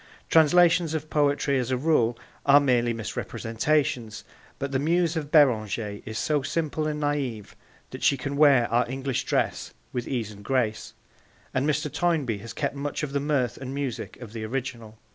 Translations of poetry as a rule are merely misrepresentations, but the muse of Beranger is so simple and naive that she can wear our English dress with ease and grace, and Mr. Toynbee has kept much of the mirth and music of the original.